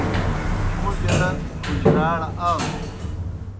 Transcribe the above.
موْ بیلہ حُجراڑ آلوْسُس۔